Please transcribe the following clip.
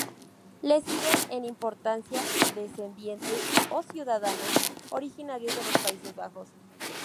Le siguen en importancia descendientes o ciudadanos originarios de los Países Bajos.